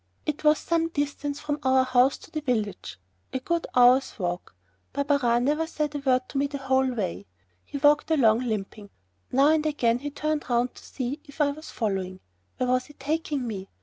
It was some distance from our house to the village a good hour's walk. Barberin never said a word to me the whole way. He walked along, limping. Now and again he turned 'round to see if I was following. Where was he taking me?